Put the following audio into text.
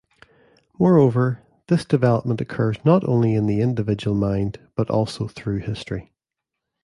Moreover, this development occurs not only in the individual mind, but also through history.